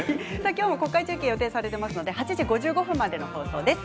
今日も、国会中継が予定されていますので８時５５分までの放送です。